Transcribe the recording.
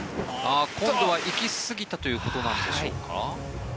今度は行きすぎたということなんでしょうか。